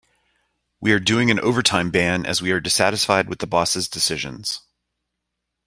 We are doing an overtime ban as we are dissatisfied with the boss' decisions.